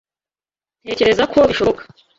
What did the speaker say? Ntekereza ko bishoboka